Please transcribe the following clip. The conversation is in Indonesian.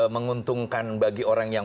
menguntungkan bagi orang yang